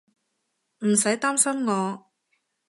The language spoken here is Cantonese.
唔使擔心我